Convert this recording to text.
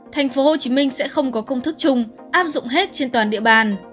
thành phố hồ chí minh sẽ không có công thức chung áp dụng hết trên toàn địa bàn